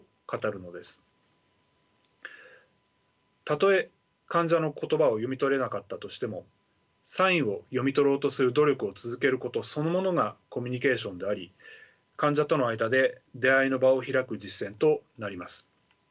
たとえ患者の言葉を読み取れなかったとしてもサインを読み取ろうとする努力を続けることそのものがコミュニケーションであり患者との間で「出会いの場」を開く実践となります。